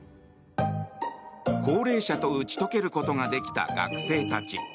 高齢者と打ち解けることができた学生たち。